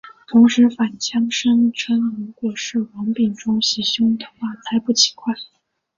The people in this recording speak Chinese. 同时反呛声称如果是王炳忠袭胸的话才不奇怪。